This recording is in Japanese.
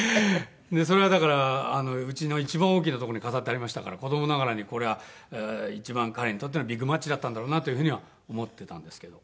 それはだからうちの一番大きなとこに飾ってありましたから子どもながらにこれは一番彼にとってのビッグマッチだったんだろうなという風には思ってたんですけど。